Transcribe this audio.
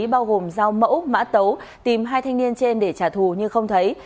bao gồm dao mẫu mã tấu tìm hai thanh niên trên để trả thù nhưng không thấy